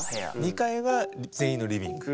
２階が全員のリビング。